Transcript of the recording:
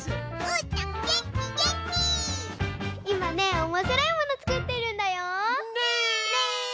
いまねおもしろいものつくってるんだよ。ね！